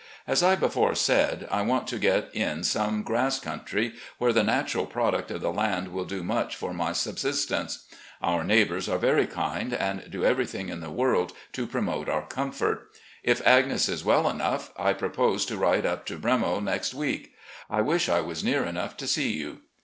As I before said, I want to get in some grass country, where the natural product of the land will do much for my sub sistence. ... Our neighbours are very kind, and do everything in the world to promote om comfort. If Agnes is well enough, I propose to ride up. to 'Bremo' next week. I wish I was near enough to see you.